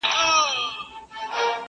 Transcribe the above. چي حاضره يې شېردل ته بوډۍ مور کړه؛